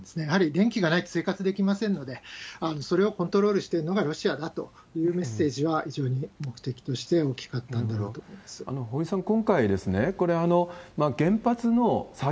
やはり電気がないと生活できませんので、それをコントロールしてるのがロシアだというメッセージは非常に目的として大きかったんだろうと思います。